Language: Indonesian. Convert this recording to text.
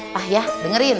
pak ya dengerin